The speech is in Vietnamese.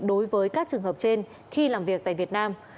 đối với các trường hợp trên khi làm việc tại việt nam